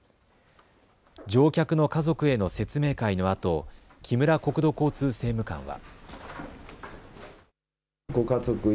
乗客の家族への説明会のあと木村国土交通政務官は。